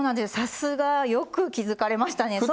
さすが。よく気付かれましたね。